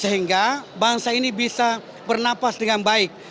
sehingga bangsa ini bisa bernapas dengan baik